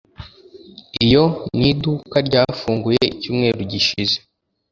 Iyo ni iduka ryafunguye icyumweru gishize.